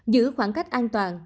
giữ khoảng cách an toàn